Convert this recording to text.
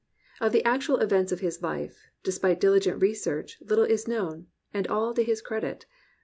Of the actual events of his life, despite diligent research, little is known, and all to his credit.